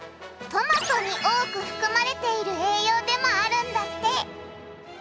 トマトに多く含まれている栄養でもあるんだって！